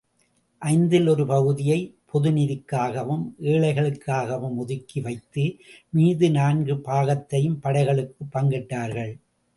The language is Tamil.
ஐந்தில் ஒரு பகுதியை, பொது நிதிக்காகவும் ஏழைகளுக்காகவும் ஒதுக்கி வைத்து, மீதி நான்கு பாகத்தையும், படைகளுக்குப் பங்கிட்டார்கள்.